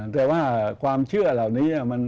แต่ว่าความเชื่อเหล่านี้